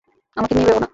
আমাকে নিয়ে ভেব না।